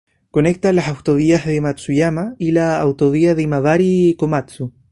Conecta las autovías de Matsuyama y de Autovía Imabari-Komatsu.